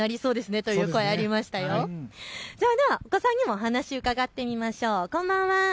お子さんにもお話を伺ってみましょう。